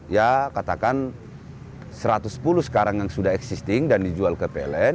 ya katakan satu ratus sepuluh sekarang yang sudah existing dan dijual ke pln